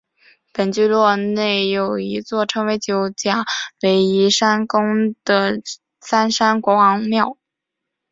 本聚落内有一座称为九甲围义山宫的三山国王庙。